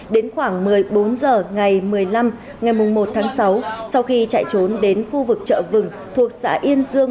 đến khoảng một mươi bốn h ngày một mươi năm ngày một tháng sáu sau khi chạy trốn đến khu vực chợ vừng thuộc xã yên dương